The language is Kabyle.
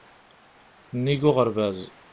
Nnig n uɣerbaz.